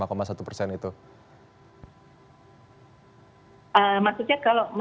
maksudnya kalau merevisi ya